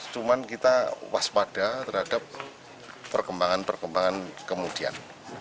cuman kita waspada terhadap perkembangan perkembangan kemudian